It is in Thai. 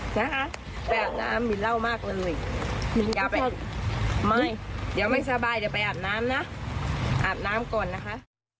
อย่าไปไม่ยังไม่สบายเดี๋ยวไปอาบน้ำนะอาบน้ำก่อนนะคะ